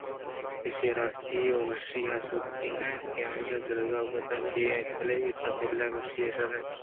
اے راستی ءَوشی ءُآسودگے نہ اَنت کہ آئیءِ گریڈ ءُاگدہ چی اِنت؟ بلئے پہ دل ءِ وشی ءَشرّاَنت